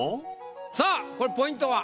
さあこれポイントは？